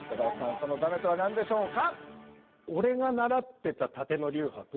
そのだめとは何でしょうか？